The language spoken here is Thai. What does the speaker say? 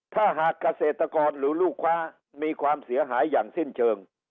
ถ้าหากเกษตรกรหรือลูกค้ามีความเสียหายอย่างสิ้นเชิง